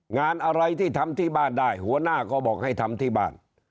งานอะไรที่ทำที่บ้านได้หัวหน้าก็บอกให้ทำที่บ้าน